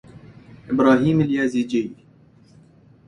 إبراهيم اليازجي